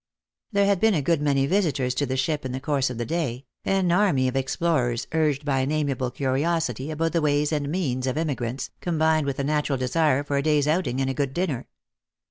There had been a good many visitors to the ship in the course of the day, an army of explorers urged by an amiable curiosity about the ways and means of emigrants, combined with a natural desire for a day's outing and a good dinner.